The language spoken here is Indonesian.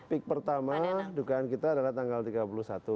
peak pertama dugaan kita adalah tanggal tiga puluh satu